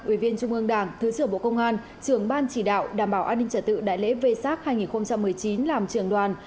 ủy viên trung ương đảng thứ trưởng bộ công an trưởng ban chỉ đạo đảm bảo an ninh trật tự đại lễ v sac hai nghìn một mươi chín làm trường đoàn